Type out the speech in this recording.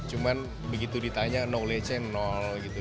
cuma begitu ditanya knowledge nya nol gitu